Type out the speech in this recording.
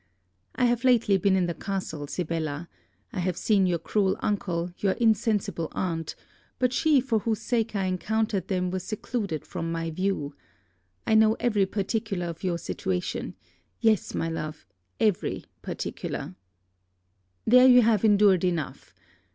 I have lately been in the castle, Sibella. I have seen your cruel uncle, your insensible aunt: but she for whose sake I encountered them was secluded from my view. I know every particular of your situation. Yes, my love, every particular. There, you have endured enough.